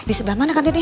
di seba mana kantinnya